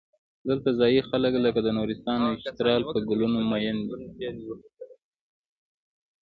دلته ځايي خلک لکه د نورستان او چترال پر ګلونو مین دي.